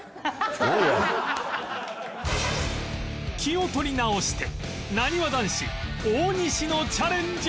気を取り直してなにわ男子大西のチャレンジ